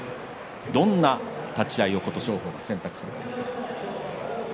どんな立ち合いを琴勝峰が選択するかですね。